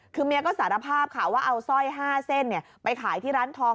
คือเมียก็สารภาพค่ะว่าเอาสร้อย๕เส้นไปขายที่ร้านทอง